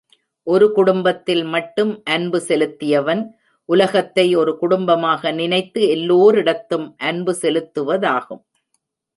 ஒரு குடும்பத்தில் மட்டும் அன்பு செலுத்தியவன், உலகத்தை ஒரு குடும்பமாக நினைத்து எல்லோரிடத்தும் அன்பு செலுத்துவதாகும்.